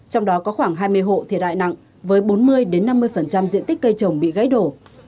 trong đó có khoảng hai mươi hộ thiệt hại nặng với bốn mươi năm mươi diện tích cây trồng bị gãy đổ